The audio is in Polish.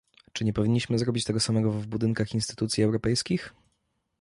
Czy nie powinniśmy zrobić tego samego w budynkach instytucji europejskich?